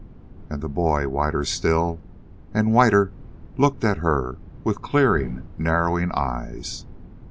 And the boy, whiter still, and whiter, looked at her with clearing, narrowing eyes.